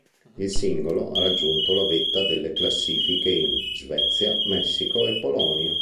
Il singolo ha raggiunto la vetta delle classifiche in Svezia, Messico e Polonia.